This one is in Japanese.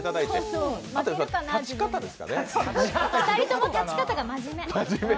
２人とも立ち方がまじめ。